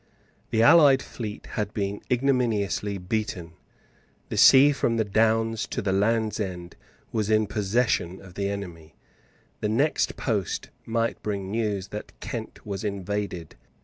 The allied fleet had been ignominiously beaten. The sea from the Downs to the Land's End was in possession of the enemy. The next post might bring news that Kent was invaded.